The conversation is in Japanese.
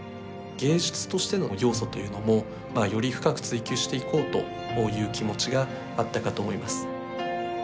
芸術としての要素というのもまあより深く追求していこうという気持ちがあったかと思います。